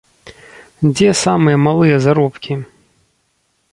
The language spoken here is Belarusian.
Дзе самыя малыя заробкі?